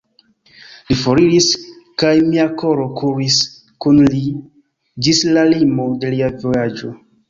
Li foriris, kaj mia koro kuris kun li ĝis la limo de lia vojaĝo.